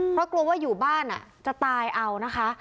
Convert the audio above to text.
เพราะกลัวว่าอยู่บ้านจะตายเอานะคะ